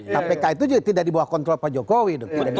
kpk itu juga tidak dibawa kontrol pak jokowi